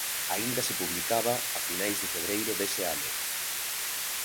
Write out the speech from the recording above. Aínda se publicaba a finais de febreiro dese ano.